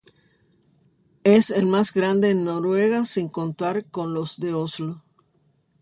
Es el más grande en Noruega sin contar con los de Oslo.